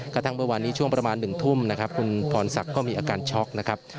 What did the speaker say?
กระทั่งเมื่อวานนี้ช่วงประมาณ๑ทุ่มนะครับคุณพรศักดิ์ก็มีอาการช็อกนะครับ